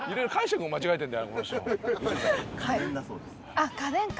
あっ家電か。